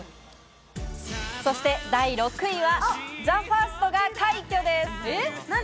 そして第６位はＴＨＥＦＩＲＳＴが快挙です！